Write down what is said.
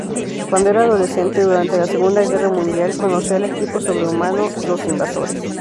Cuando era adolescente durante la Segunda Guerra Mundial, conoció al equipo sobrehumano, los Invasores.